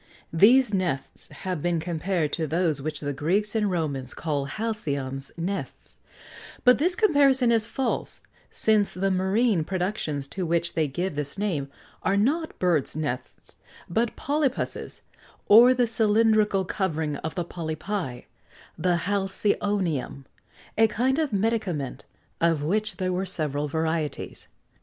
These nests have been compared to those which the Greeks and Romans called halcyon's nests; but this comparison is false, since the marine productions to which they gave this name are not birds' nests but polypus's, or the cylindrical covering of the polypi the halcyonium a kind of medicament, of which there were several varieties.